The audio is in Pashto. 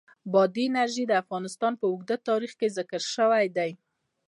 بادي انرژي د افغانستان په اوږده تاریخ کې ذکر شوی دی.